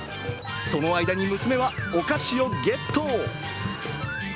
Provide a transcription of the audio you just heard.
その間に娘はお菓子をゲット。